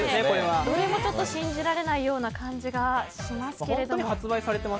信じられないような感じがしますけど。